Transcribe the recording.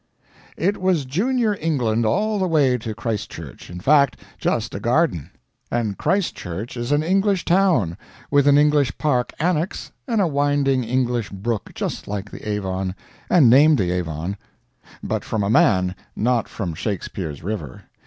It was Junior England all the way to Christchurch in fact, just a garden. And Christchurch is an English town, with an English park annex, and a winding English brook just like the Avon and named the Avon; but from a man, not from Shakespeare's river.